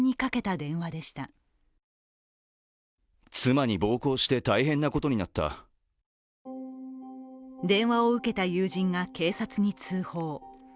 電話を受けた友人が警察に通報。